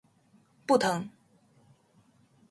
不疼